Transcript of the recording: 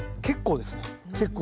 結構です。